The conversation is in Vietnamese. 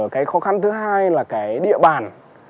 cái khó khăn thứ hai là cái địa bàn